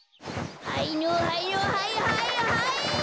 はいのはいのはいはいはい！